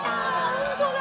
本当だ！